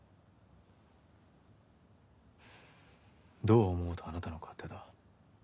どう思おうとあなたの勝手だ。